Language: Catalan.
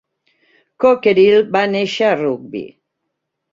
Cockerill va néixer a Rugby.